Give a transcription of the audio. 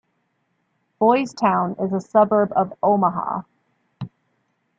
Boys Town is a suburb of Omaha.